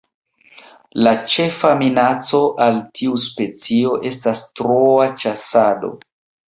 La ĉefa minaco al tiu specio estas troa ĉasado.